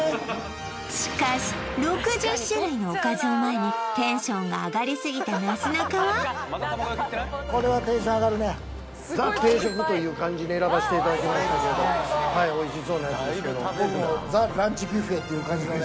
しかし６０種類のおかずを前にテンションが上がりすぎたなすなかはこれはテンション上がるねＴＨＥ定食という感じで選ばせていただきましたけどはいおいしそうなやつですけど僕もＴＨＥランチビュッフェっていう感じのね